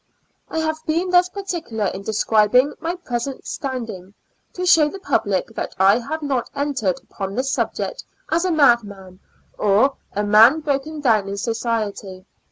I have been thus particular in describing my pre sent standing, to show the public that I have not en tered upon this subject as a mad man, or a man bro ken down in society.